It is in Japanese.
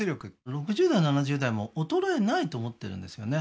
６０代７０代も衰えないと思ってるんですよね